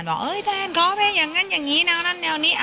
ว่าแดนขอเพลงอย่างนั้นอย่างนี้นั่นนี่